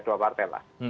dua partai lah